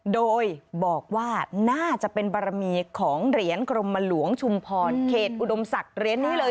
โดยบอกว่าน่าจะเป็นบารมีของเหรียญกรมหลวงชุมพรเขตอุดมศักดิ์เหรียญนี้เลย